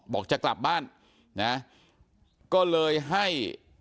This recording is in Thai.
จะกลับบ้านนะก็เลยให้